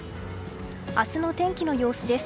明日の天気の様子です。